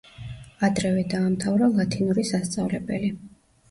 ადრევე დაამთავრა ლათინური სასწავლებელი.